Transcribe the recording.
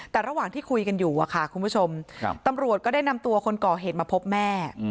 แต่ระหว่างที่คุยกันอยู่ค่ะคุณผู้ชมตำรวจก็ได้นำตัวคนก่อเหตุมาพบแม่